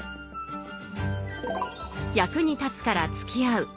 役に立つからつきあう